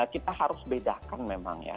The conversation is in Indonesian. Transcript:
kita harus bedakan memang ya